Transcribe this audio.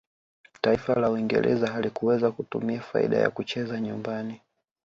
taifa la uingereza halikuweza kutumia faida ya kucheza nyumbani